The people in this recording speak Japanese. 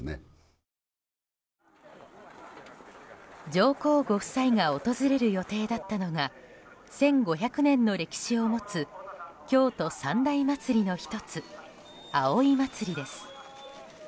上皇ご夫妻が訪れる予定だったのが１５００年の歴史を持つ京都三大祭りの１つ、葵祭です。